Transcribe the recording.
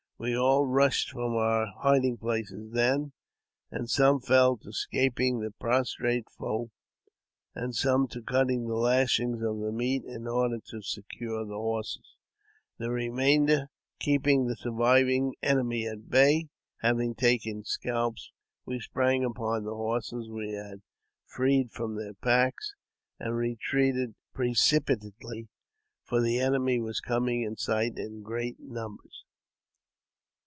We all rushed from our hiding places then, and some fell to j scalping the prostrate foe, and some to cutting the lashings of the meat in order to secure the horses, the remainder keeping the surviving enemy at bay. Having taken twenty scalps, we sprang upon the horses we had freed from their packs, and retreated precipitately, for the enemy was coming in sight in great numbers.